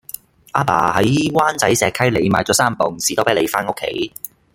亞爸喺灣仔石溪里買左三磅士多啤梨返屋企